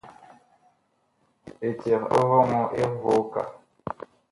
Eceg ɛ vɔŋɔ ɛg voo kaa.